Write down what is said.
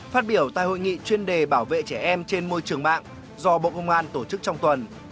phát biểu tại hội nghị chuyên đề bảo vệ trẻ em trên môi trường mạng do bộ công an tổ chức trong tuần